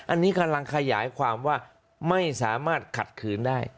อันนี้กำลังขยายความว่าไม่สามารถขัดขืนได้